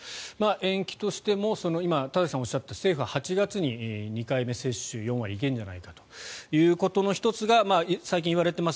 延期としても今、田崎さんがおっしゃった政府は８月に２回目接種４割いけるんじゃないかということの１つが最近言われています